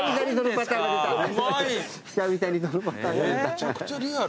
めちゃくちゃリアル。